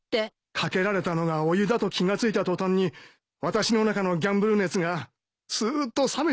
掛けられたのがお湯だと気が付いた途端に私の中のギャンブル熱がスーッと冷めていきまして。